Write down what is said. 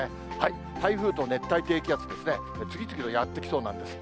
台風と熱帯低気圧ですね、次々とやって来そうなんです。